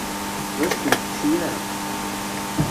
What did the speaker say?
Ur as-ten-tečči ara.